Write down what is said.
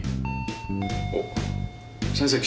おっ先生来たかな。